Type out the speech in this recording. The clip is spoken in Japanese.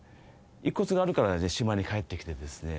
遺骨があるから島に帰ってきてですね